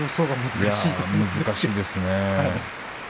難しいですね。